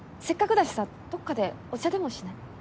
せっかくだしさどこかでお茶でもしない？